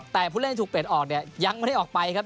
แต่ผู้เล่นที่ถูกเปลี่ยนออกเนี่ยยังไม่ได้ออกไปครับ